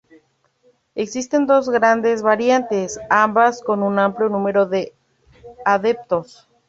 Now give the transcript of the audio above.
Existen dos grandes variantes, ambas con un amplio número de adeptos.